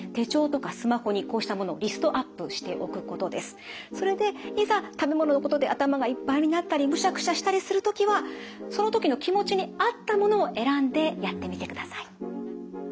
例えばそれでいざ食べ物のことで頭がいっぱいになったりむしゃくしゃしたりする時はその時の気持ちに合ったものを選んでやってみてください。